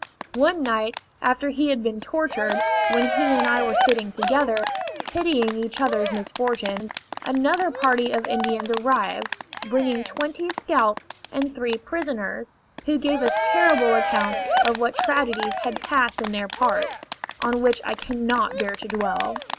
One night after he had been tortured, when he and I were sitting together, pitying each other's misfortunes, another party of Indians arrived, bringing twenty scalps and three prisoners, who gave us terrible accounts of what tragedies had passed in their parts, on which I cannot bear to dwell.